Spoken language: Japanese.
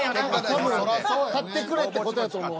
多分勝ってくれって事やと思う。